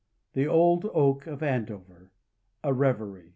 THE OLD OAK OF ANDOVER. A REVERY.